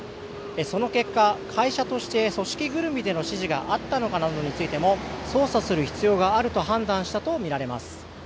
その結果、会社として組織ぐるみでの指示があったのかなどについても捜査する必要があると判断したとみられます。